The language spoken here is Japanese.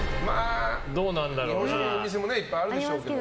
おいしいお店もいっぱいあるでしょうけど。